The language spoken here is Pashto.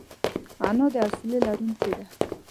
انا د حوصله لرونکې ده